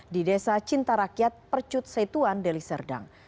di desa cinta rakyat percut setuan deliserdang